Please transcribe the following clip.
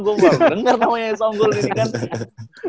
gue baru denger namanya somgul ini kan